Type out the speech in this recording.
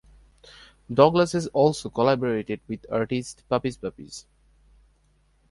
Douglas has also collaborated with artist Puppies Puppies.